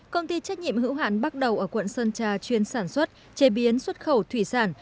công ty trách nhiệm hữu hạn bắt đầu ở quận sơn trà chuyên sản xuất chế biến xuất khẩu thủy sản